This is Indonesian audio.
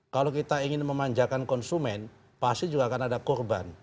kalau kita ingin memanjakan konsumen pasti juga akan ada korban